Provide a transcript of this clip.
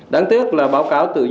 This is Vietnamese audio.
đáng tiếc là báo cáo tự do